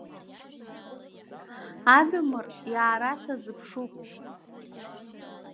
Адамыр иаара сазыԥшуп.